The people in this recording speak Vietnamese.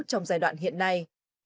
trong giai đoạn hiện nay